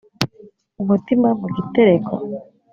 Umutima mu gitereko